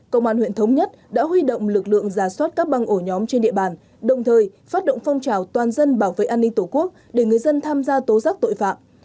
công an huyện thống nhất đã huy động lực lượng giả soát các băng ổ nhóm trên địa bàn đồng thời phát động phong trào toàn dân bảo vệ an ninh tổ quốc để người dân tham gia tố giác tội phạm